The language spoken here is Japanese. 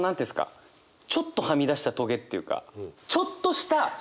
ちょっとはみ出したトゲっていうかちょっとした。